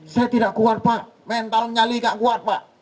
saya tidak kuat pak mental nyali gak kuat pak